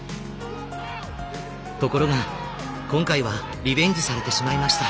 ところが今回はリベンジされてしまいました。